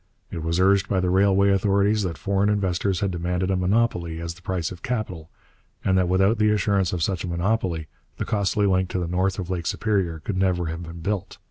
It was urged by the railway authorities that foreign investors had demanded a monopoly as the price of capital, and that without the assurance of such a monopoly the costly link to the north of Lake Superior could never have been built.